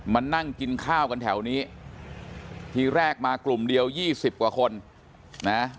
มานั่งกินข้าวกันแถวนี้ทีแรกมากลุ่มเดียวยี่สิบกว่าคนนะ